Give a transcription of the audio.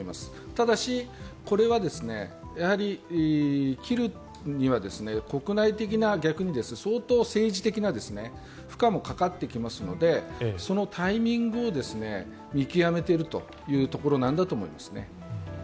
ただし、切るには国内的な、逆に、相当政治的な負荷もかかってきますのでそのタイミングを見極めているというところなんだと思いますね。